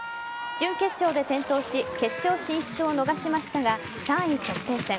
準決勝で転倒し決勝進出を逃しましたが３位決定戦。